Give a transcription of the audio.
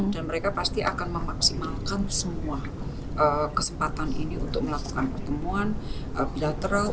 dan mereka pasti akan memaksimalkan semua kesempatan ini untuk melakukan pertemuan bilateral